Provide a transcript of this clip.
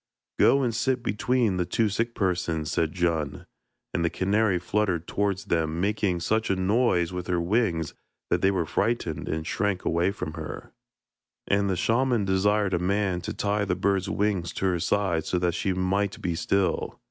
'Go and sit between the two sick persons,' said Djun, and the canary fluttered towards them, making such a noise with her wings that they were frightened and shrank away from her. And the shaman desired a man to tie the bird's wings to her side so that she might be still.